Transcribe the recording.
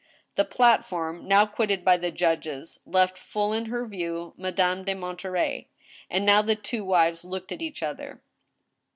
The platform, now quitted by the judges, left full in her view 2o8 ^^^ STEEL HAMMER. Madame de Monterey ; and now the two wives looked at each other.